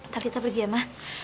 talitha pergi ya ma